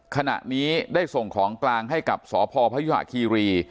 ขณะนี้ได้ส่งของกลางให้กับสพพยุหะคีรี